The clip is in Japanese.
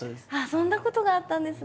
そんなことがあったんですね。